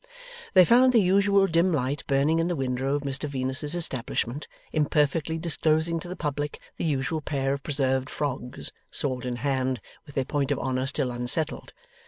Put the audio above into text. They found the usual dim light burning in the window of Mr Venus's establishment, imperfectly disclosing to the public the usual pair of preserved frogs, sword in hand, with their point of honour still unsettled.